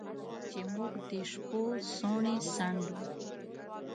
چې موږ د شپو څوڼې څنډو